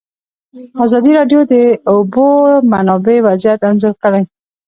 ازادي راډیو د د اوبو منابع وضعیت انځور کړی.